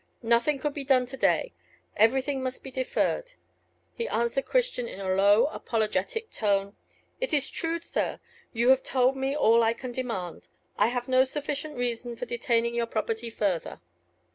Nothing could be done to day; everything must be deferred. He answered Christian in a low apologetic tone. "It is true, sir; you have told me all I can demand. I have no sufficient reason for detaining your property further."